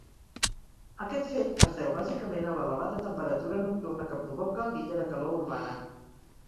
Aquest fet es deu bàsicament a l’elevada temperatura nocturna que provoca l’illa de calor urbana.